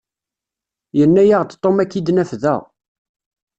Yenna-yaɣ-d Tom ad k-id-naf da.